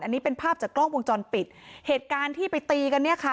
อันนี้เป็นภาพจากกล้องวงจรปิดเหตุการณ์ที่ไปตีกันเนี่ยค่ะ